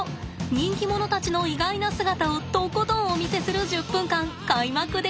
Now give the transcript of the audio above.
人気者たちの意外な姿をとことんお見せする１０分間開幕ですぞ。